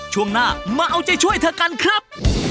ช่วงหน้ามาเอาใจช่วยเธอกันครับ